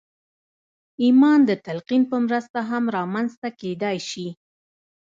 ایمان د تلقین په مرسته هم رامنځته کېدای شي